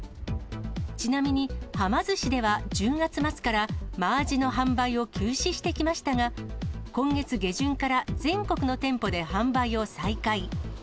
ちなみに、はま寿司では１０月末から、真アジの販売を休止してきましたが、今月下旬から全国の店舗で販売を再開。